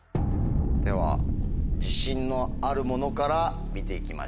では自信のあるものから見て行きましょう。